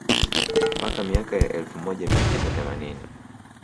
Mpaka miaka ya elfu moja mia tisa themanini